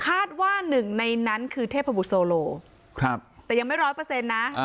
คาดว่าหนึ่งในนั้นคือเทพบุตรโซโลแต่ยังไม่ร้อยเปอร์เซ็นต์นะ